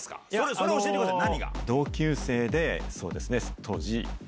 それを教えてください。